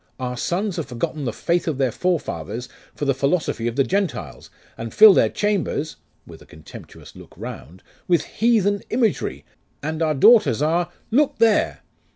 Our sons have forgotten the faith of their forefathers for the philosophy of the Gentiles, and fill their chambers' (with a contemptuous look round) 'with heathen imagery; and our daughters are Look there!